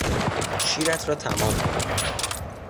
شیرت را تمام کن!